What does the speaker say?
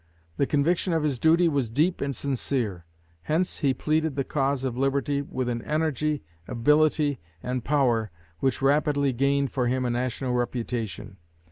The conviction of his duty was deep and sincere. Hence he pleaded the cause of liberty with an energy, ability, and power which rapidly gained for him a national reputation.